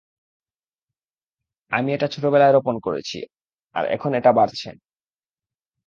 আমি এটা ছোটবেলায় রোপণ করেছি, আর এখন এটা বাড়ছে।